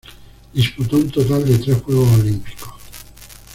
Disputó un total de tres Juegos Olímpicos.